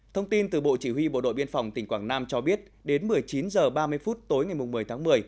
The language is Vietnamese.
thông tin từ bộ chỉ huy bộ đội biên phòng tỉnh quảng nam cho biết đến một mươi chín h ba mươi phút tối ngày một mươi tháng một mươi